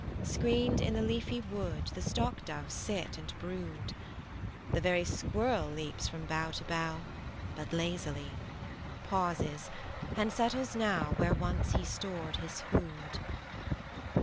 Screened in the leafy wood The stock doves sit and brood: The very squirrel leaps from bough to bough But lazily; pauses; and settles now Where once he stored his food.